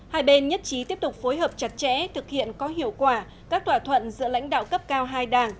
hai bên nhất trí tiếp tục phối hợp chặt chẽ thực hiện có hiệu quả các thỏa thuận giữa lãnh đạo cấp cao hai đảng